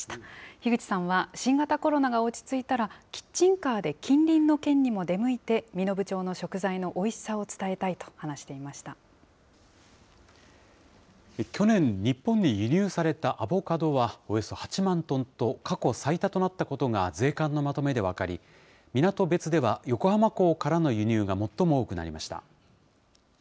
樋口さんは新型コロナが落ち着いたら、キッチンカーで近隣の県にも出向いて身延町の食材のおいしさを伝去年、日本に輸入されたアボカドはおよそ８万トンと、過去最多となったことが税関のまとめで分かり、港別では横浜港からの輸入が最も多くなりました。